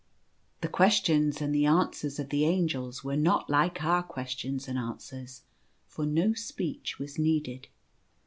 The questions and the answers of the Angels were not like our questions and answers, for no speech was needed.